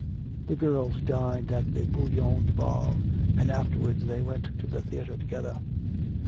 The girls dined at a Bouillon Duval and afterwards they went to the theatre together.